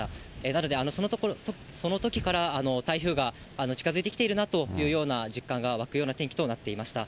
なので、そのときから台風が近づいてきているなという実感が湧くような天気となっていました。